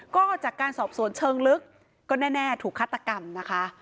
ก็จากการสอบสวนเชิงลึกก็แน่ถูกฆาตกรรมนะคะ